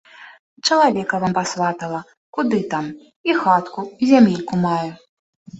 Чалавека вам пасватала, куды там, і хатку і зямельку мае.